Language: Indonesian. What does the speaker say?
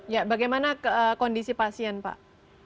ya bagaimana kondisi pasien pak